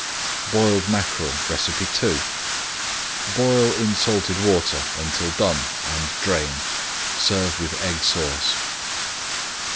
BOILED MACKEREL II Boil in salted water until done and drain. Serve with Egg Sauce.